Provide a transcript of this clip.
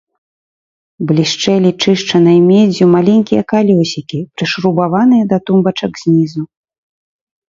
Блішчэлі чышчанай меддзю маленькія калёсікі, прышрубаваныя да тумбачак знізу.